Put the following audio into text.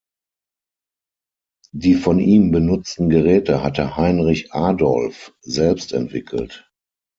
Die von ihm benutzten Geräte hatte Heinrich Adolph selbst entwickelt.